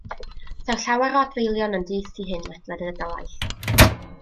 Saif llawer o adfeilion yn dyst i hyn ledled y dalaith.